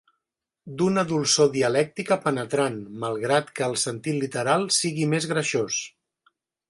D'una dolçor dialèctica penetrant, malgrat que el sentit literal sigui més greixós.